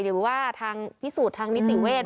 หรือว่าทางพิสูจน์ทางนิติเวช